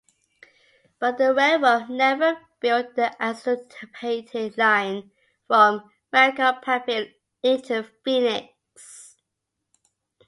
But the railroad never built the anticipated line from Maricopaville into Phoenix.